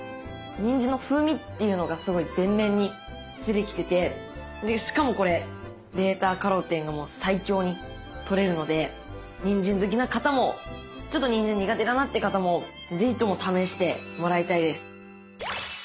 にんじんの風味というのがすごい前面に出てきててしかもこれβカロテンが最強にとれるのでにんじん好きな方もちょっとにんじん苦手だなって方も是非とも試してもらいたいです。